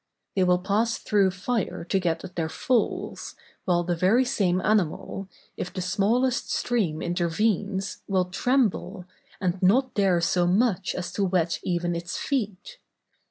They will pass through fire to get at their foals, while the very same animal, if the smallest stream intervenes, will tremble, and not dare so much as to wet even its feet.